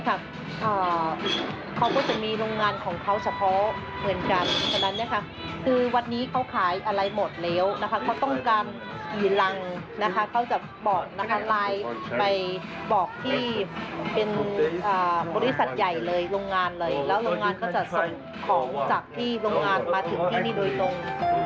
แล้วโรงงานก็จะส่งของจากที่โรงงานมาถึงแน่นี่โดยตรง